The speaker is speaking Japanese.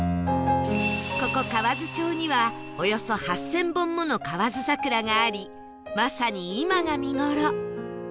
ここ河津町にはおよそ８０００本もの河津桜がありまさに今が見頃